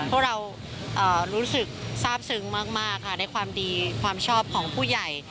พวกเรารู้สึกทราบซึ้งมากค่ะในความดีความชอบของผู้ใหญ่